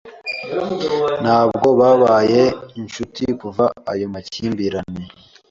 Ntabwo babaye inshuti kuva ayo makimbirane.